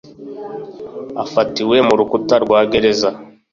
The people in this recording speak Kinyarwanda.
Afatiwe mu rukuta rwa gereza